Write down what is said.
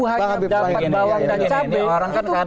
hanya dapat bawang dan cabai